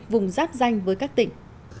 vùng giáp danh với các tỉnh